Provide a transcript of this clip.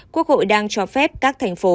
quốc hội đang cho phép các thành phố